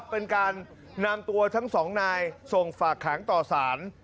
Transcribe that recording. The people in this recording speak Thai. เป็นการนำตัวทั้งสองนายส่งฝากขังต่อสาร